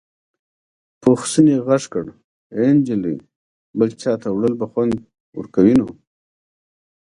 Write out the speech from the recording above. پوخ سنې غږ کړ ای جلۍ بل چاته وړل به خوند ورکوي نو.